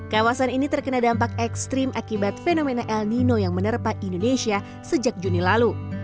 kawasan ini terkena dampak ekstrim akibat fenomena el nino yang menerpa indonesia sejak juni lalu